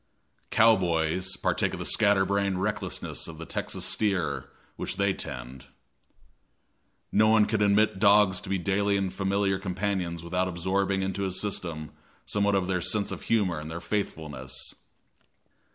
Cowboys partake of the scatter brained recklessness of the Texas steer which they tend. No one can admit dogs to be daily and familiar companions without absorbing into his system somewhat of their sense of humor and of their faithfulness.